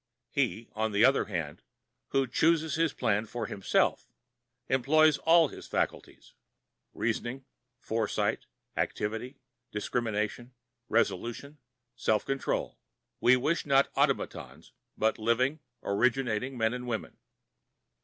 He, on the other hand, who chooses his plan for himself, employs all his faculties—reasoning, foresight, activity, discrimination, resolution, self control. We wish not automatons, but living, originating men and women.